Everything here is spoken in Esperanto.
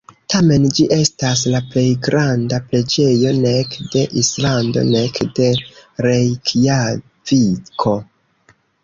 Tamen, ĝi estas la plej granda preĝejo nek de Islando nek de Rejkjaviko.